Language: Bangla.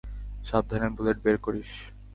সাবধানে বুলেট বের করিস।